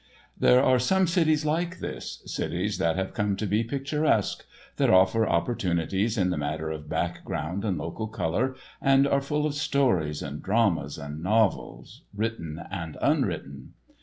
There are some cities like this—cities that have come to be picturesque—that offer opportunities in the matter of background and local colour, and are full of stories and dramas and novels, written and unwritten.